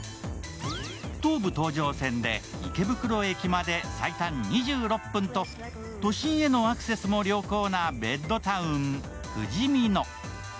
東武東上線で池袋駅まで最短２６分と都心へのアクセスも良好なベッドタウンふじみ野。